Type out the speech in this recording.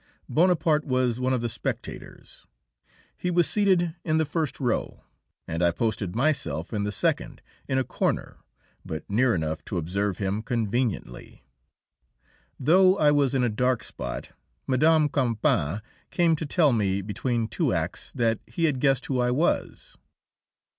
Bonaparte was one of the spectators. He was seated in the first row, and I posted myself in the second, in a corner, but near enough to observe him conveniently. Though I was in a dark spot, Mme. Campan came to tell me, between two acts, that he had guessed who I was.